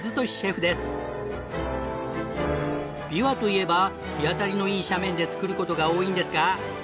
ビワといえば日当たりのいい斜面で作る事が多いんですが。